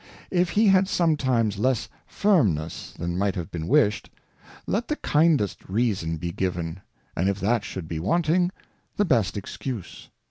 If he had sometimes less Firmness than might have been wished ; let the kindest Reason be given, and if that should be wanting, the best Excuse.